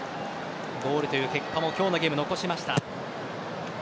ゴールという結果も今日のゲーム、残しました。